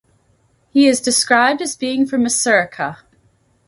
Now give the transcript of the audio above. He is described as being from Masrekah.